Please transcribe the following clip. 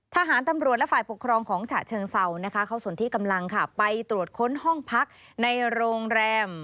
ทหารตำรวจและฝ่ายปกครองของฉะเชิงเศร้านะคะเขาส่วนที่กำลังค่ะไปตรวจค้นห้องพักในโรงแรม